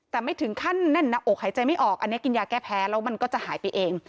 แต่ไม่ถึงขั้นแน่นหน้าอกหายใจไม่ออกอันนี้กินยาแก้แพ้แล้วมันก็จะหายไปเอง